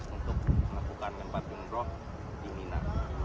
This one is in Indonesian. untuk melakukan lempar jumroh di mina